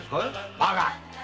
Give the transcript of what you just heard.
バカ！